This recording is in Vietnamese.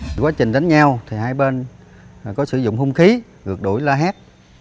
vì quá trình đánh nhau thì hai bên có sử dụng hung khí ngược đổi la hét